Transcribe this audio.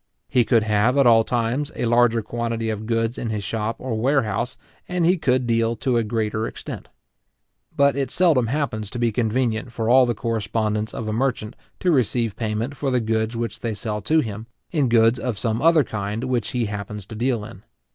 He could have, at all times, a larger quantity of goods in his shop or warehouse, and he could deal to a greater extent. But it seldom happens to be convenient for all the correspondents of a merchant to receive payment for the goods which they sell to him, in goods of some other kind which he happens to deal in.